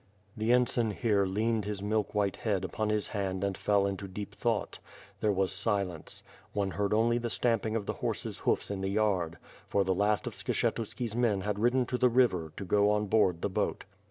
..." The ensign here leaned his milk white head upon his hand and fell into deep thought. There was silence. One heard only the stamping of the horses' hoofs in the yard, for the last of Skshetuski's men had ridden to the river, to go on board the boat.